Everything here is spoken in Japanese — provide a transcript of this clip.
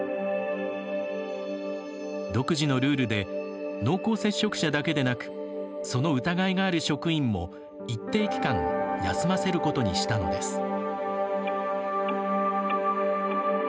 独自のルールで濃厚接触者だけでなくその疑いがある職員も一定期間休ませることにしたのです。